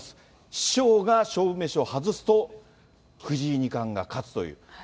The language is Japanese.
師匠が勝負メシを外すと、藤井二冠が勝つという。